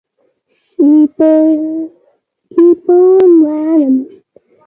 The site can be accessed by boat charter from the Fontana Marina.